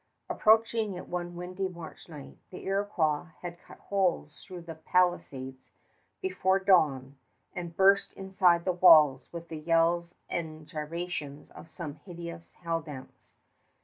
Approaching it one windy March night, the Iroquois had cut holes through the palisades before dawn and burst inside the walls with the yells and gyrations of some hideous hell dance.